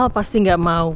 apa yang terjadi